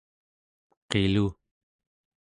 qilu